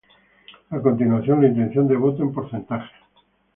A continuación, la intención de voto en porcentaje.